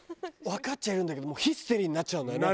わかっちゃいるんだけどもうヒステリーになっちゃうんだよね。